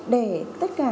để tất cả